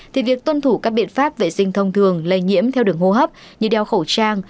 thì việc tuân thủ các biện pháp vệ sinh thông thường lây nhiễm theo đường hô hấp như đeo khẩu trang